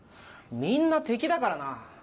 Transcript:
みんな敵だからな。